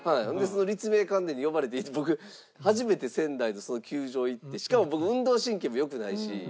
その立命館デーに呼ばれて僕初めて仙台でその球場行ってしかも僕運動神経も良くないし。